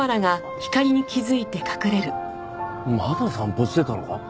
まだ散歩してたのか？